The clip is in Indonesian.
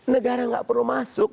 negara tidak perlu masuk